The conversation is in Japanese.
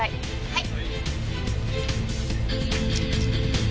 はい。